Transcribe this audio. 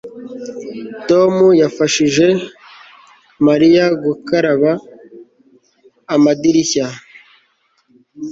Tom yafashije Mariya gukaraba amadirishya